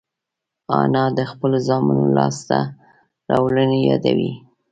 انا د خپلو زامنو لاسته راوړنې یادوي